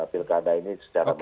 pilkada ini secara baik